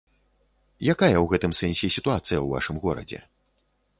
Якая ў гэтым сэнсе сітуацыя ў вашым горадзе?